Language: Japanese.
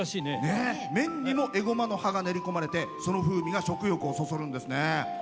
麺にもエゴマの葉が練り込まれてそれが食欲をそそるんですね。